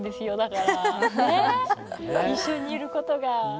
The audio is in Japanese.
一緒にいることが。